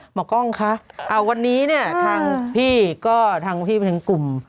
หมอก้องคะวันนี้ทางพี่กลุ่ม